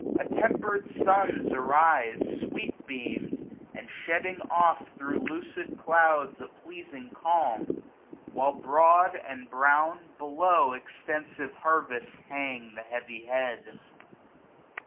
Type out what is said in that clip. Attemper'd suns arise, Sweet beam'd, and shedding oft thro' lucid clouds A pleaiing calm ; while broad, and brown, below 3^ Extensive harvests hang the heavy head.